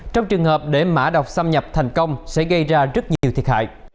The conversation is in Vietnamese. trong trường hợp để mã độc xâm nhập thành công sẽ gây ra rất nhiều thiệt hại